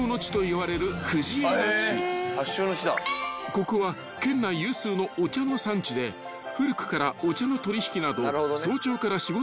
［ここは県内有数のお茶の産地で古くからお茶の取引など早朝から仕事をする人が多い］